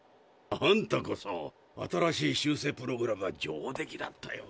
あんたこそ新しい修正プログラムは上出来だったよ。